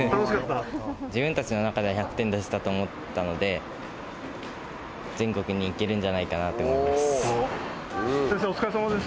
自分たちの中では１００点出せたと思ったので、全国に行けるんじゃないかなって思います。